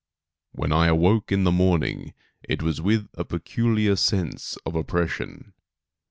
* When I awoke in the morning it was with a peculiar sense of oppression.